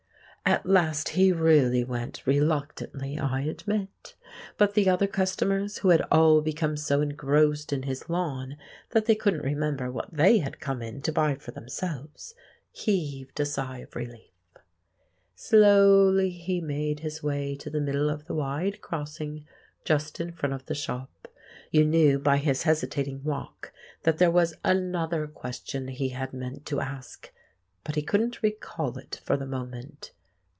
At last he really went, reluctantly, I admit; but the other customers—who had all become so engrossed in his lawn that they couldn't remember what they had come in to buy for themselves—heaved a sigh of relief. Slowly he made his way to the middle of the wide crossing just in front of the shop. You knew by his hesitating walk that there was another question he had meant to ask, but he couldn't recall it for the moment.